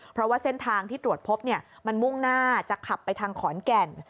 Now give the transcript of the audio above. เพราะว่าเส้นทางที่ตรวจพบมันมุ่งหน้าจะขับไปทางขอนแก่น